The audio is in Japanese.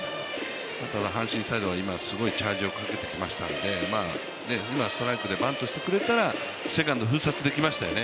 阪神サイドが今、すごいチャージをかけてきましたので、今、ストライクでバントしてくれたらセカンド封殺できましたよね。